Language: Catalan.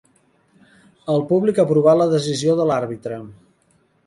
El públic aprovà la decisió de l'àrbitre.